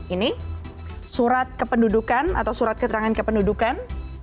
ini surat kepedudukan atau surat keterangan kepedudukan